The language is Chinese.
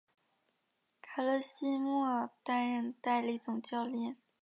卡勒西莫担任代理总教练。